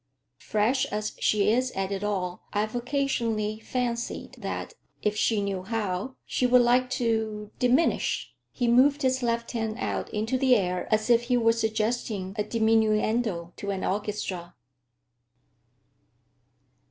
Fresh as she is at it all, I've occasionally fancied that, if she knew how, she would like to—diminish." He moved his left hand out into the air as if he were suggesting a diminuendo to an orchestra.